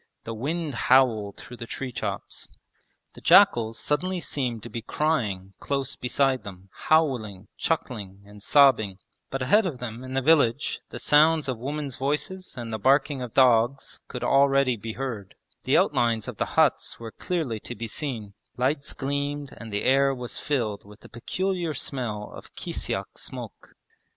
The wind howled through the tree tops. The jackals suddenly seemed to be crying close beside them, howling, chuckling, and sobbing; but ahead of them in the village the sounds of women's voices and the barking of dogs could already be heard; the outlines of the huts were clearly to be seen; lights gleamed and the air was filled with the peculiar smell of kisyak smoke.